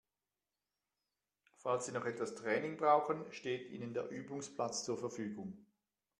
Falls Sie noch etwas Training brauchen, steht Ihnen der Übungsplatz zur Verfügung.